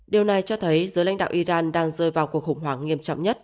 điều này cho thấy giới lãnh đạo iran đang rơi vào cuộc khủng hoảng nghiêm trọng nhất